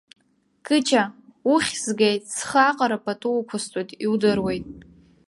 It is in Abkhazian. Кыҷа, уххь згеит, схы аҟара пату уқәысҵоит, иудыруеит.